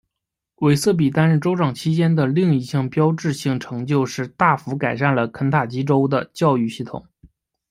韦瑟比担任州长期间的另一项标志性成就是大幅改善了肯塔基州的教育系统。